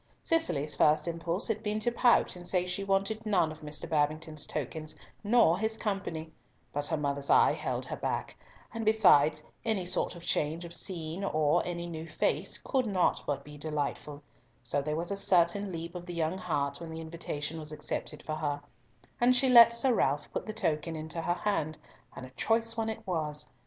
Cicely's first impulse had been to pout and say she wanted none of Mr. Babington's tokens, nor his company; but her mother's eye held her back, and besides any sort of change of scene, or any new face, could not but be delightful, so there was a certain leap of the young heart when the invitation was accepted for her; and she let Sir Ralf put the token into her hand, and a choice one it was.